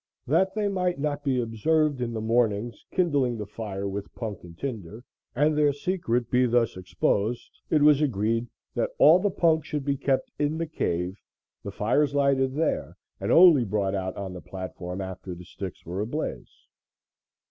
That they might not be observed in the mornings kindling the fire with punk and tinder, and their secret be thus exposed, it was agreed that all the punk should be kept in the cave, the fires lighted there, and only brought out on the platform after the sticks were ablaze.